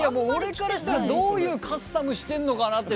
俺からしたらどういうカスタムしてんのかな？